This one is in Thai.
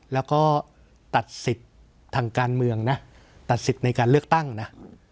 แล้วก็ตัดสิทธิ์ทางการเมืองนะตัดสิทธิ์ในการเลือกตั้งนะ